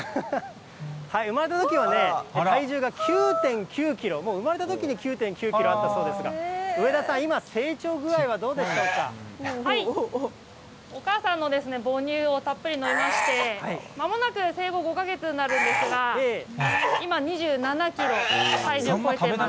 産まれたときはね、体重が９．９キロ、産まれたときに９．９キロあったそうですが、上田さん、今、お母さんの母乳をたっぷり飲みまして、まもなく生後５か月になるんですが、今、２７キロ、体重超えています。